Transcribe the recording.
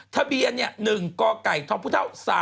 ทะเบียนเนี่ย๑กกทพท๓๖๐๑